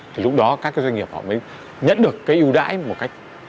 thì lúc đó các cái doanh nghiệp họ mới nhận được cái ưu đãi một cách